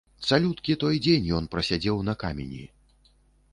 Цалюткі той дзень ён прасядзеў на камені.